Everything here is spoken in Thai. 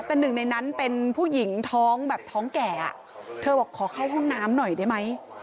แต่หนึ่งในนั้นเป็นผู้หญิงท้องแบบท้องแก่อ่ะเธอบอกขอเข้าห้องน้ำหน่อยได้ไหม